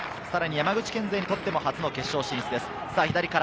さらに山口県勢にとっても初の決勝進出です。